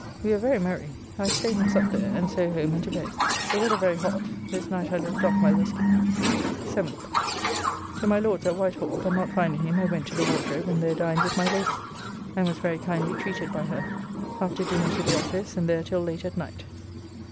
We were very merry. I staid and supped there, and so home and to bed. The weather very hot, this night I left off my wastecoat. 7th. To my Lord's at Whitehall, but not finding him I went to the Wardrobe and there dined with my Lady, and was very kindly treated by her. After dinner to the office, and there till late at night.